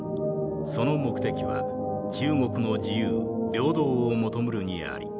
その目的は中国の自由平等を求むるにあり。